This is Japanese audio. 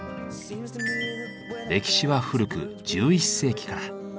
歴史は古く１１世紀から。